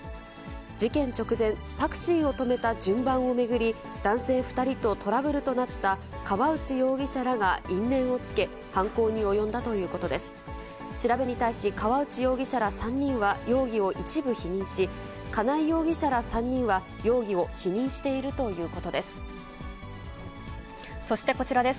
事件直前、タクシーを止めた順番を巡り、男性２人とトラブルとなった河内容疑者らが因縁をつけ、犯行に及んだということです。